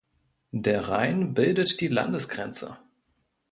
Der Rhein bildet die Landesgrenze.